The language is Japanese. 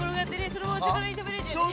そのまま魚に食べられちゃうんだ。